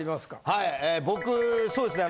はいえ僕そうですね